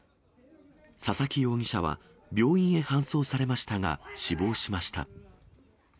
佐々木容疑者は病院へ搬送されましたが、死亡しました。